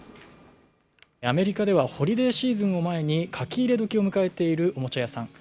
アメリカではホリデーシーズンを前に書き入れ時を迎えているおもちゃ屋さん